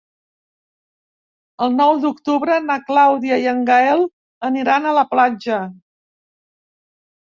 El nou d'octubre na Clàudia i en Gaël aniran a la platja.